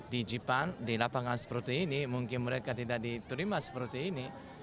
di jepang di lapangan seperti ini mungkin mereka tidak diterima seperti ini